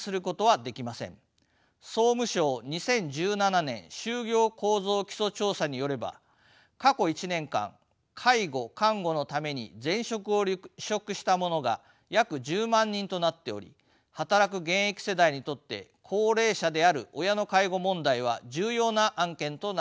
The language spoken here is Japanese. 総務省２０１７年就業構造基礎調査によれば過去１年間介護・看護のために前職を離職した者が約１０万人となっており働く現役世代にとって高齢者である親の介護問題は重要な案件となっています。